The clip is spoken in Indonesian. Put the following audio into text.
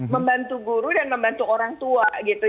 membantu guru dan membantu orang tua gitu